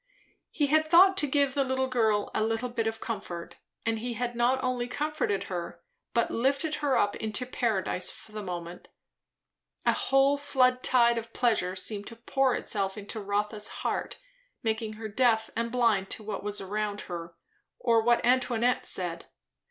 He had thought to give the girl a little bit of comfort; and he had not only comforted her, but lifted her up into paradise, for the moment. A whole flood tide of pleasure seemed to pour itself into Rotha's heart, making her deaf and blind to what was around her or what Antoinette said.